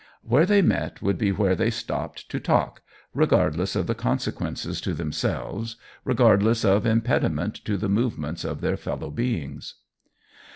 Where they met would be where they stopped to talk, regardless of the consequences to themselves, regardless of impediment to the movements of their fellow beings.